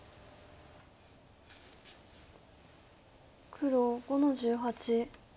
黒５の十八。